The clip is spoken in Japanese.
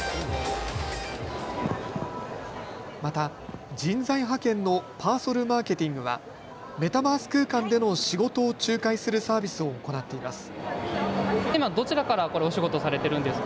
また人材派遣のパーソルマーケティングはメタバース空間での仕事を仲介するサービスを行っています。